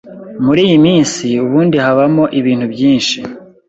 Muri iy’isi ubundi habamo ibintu byinshi